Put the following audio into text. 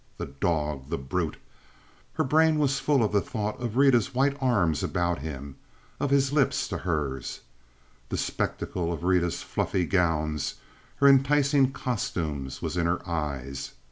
The dog! The brute! Her brain was full of the thought of Rita's white arms about him, of his lips to hers. The spectacle of Rita's fluffy gowns, her enticing costumes, was in her eyes.